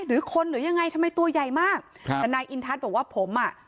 หรือคนหรือยังไงทำไมตัวใหญ่มากครับแต่นายอินทัศน์บอกว่าผมอ่ะ